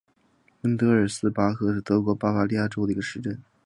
温德尔斯巴赫是德国巴伐利亚州的一个市镇。